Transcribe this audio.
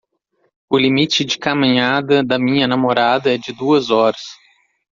O limite de caminhada da minha namorada é de duas horas.